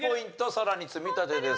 さらに積み立てです。